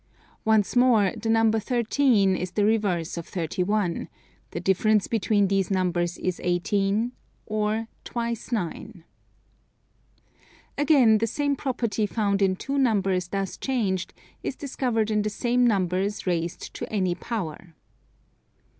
Once more, the number 13 is the reverse of 31; the difference between these numbers is 18, or twice 9. Again, the same property found in two numbers thus changed, is discovered in the same numbers raised to any power.